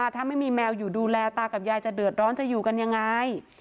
ถ้าไม่มีแมวอยู่ดูแลตากับยายจะเดือดร้อนจะอยู่กันยังไง